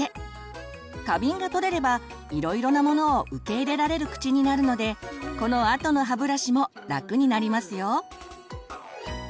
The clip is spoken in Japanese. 過敏がとれればいろいろなものを受け入れられる口になるのでこのあとの歯ブラシも楽になりますよ。